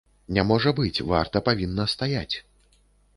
Не можа быць, варта павінна стаяць.